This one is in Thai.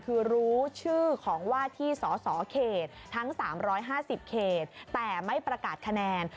คือรู้ชื่อของว่าที่สสเขตทั้ง๓๕๐เขตแต่ไม่ประกาศคะแนน